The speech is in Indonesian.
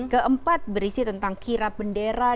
keempat berisi tentang kirap bendera